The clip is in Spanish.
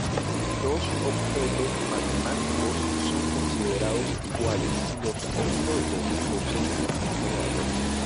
Dos objetos matemáticos son considerados iguales si los objetos poseen el mismo valor.